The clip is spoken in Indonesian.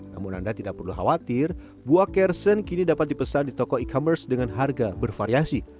namun anda tidak perlu khawatir buah kersen kini dapat dipesan di toko e commerce dengan harga bervariasi